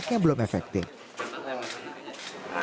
dan juga lima tahun penjara